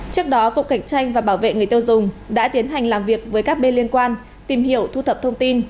trước đó cục cảnh tranh và bảo vệ người tiêu dùng đã tiến hành làm việc với các bên liên quan tìm hiểu thu thập thông tin